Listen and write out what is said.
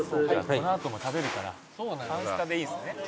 「このあとも食べるから半スタでいいんですね」